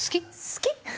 好き？